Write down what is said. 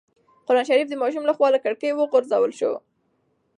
قرانشریف د ماشوم له خوا له کړکۍ وغورځول شو.